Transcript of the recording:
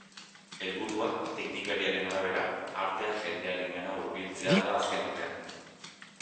Helburua, teknikariaren arabera, artea jendearengana hurbiltzea da azken batean.